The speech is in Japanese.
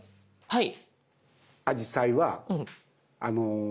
はい。